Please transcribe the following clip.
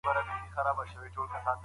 پلان جوړ کړه.